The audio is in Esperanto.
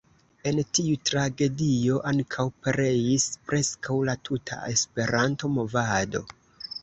En tiu tragedio ankaŭ pereis preskaŭ la tuta Esperanto-movado.